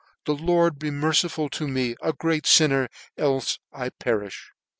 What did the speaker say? " The Lord be merciful 10 me a great firmer^ " clfe I perifh.